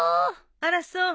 あらそう。